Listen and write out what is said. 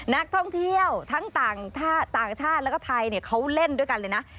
นักท่องเที่ยวทั้งต่างชาติแล้วก็ไทยเขาเล่นด้วยกันเลยนะ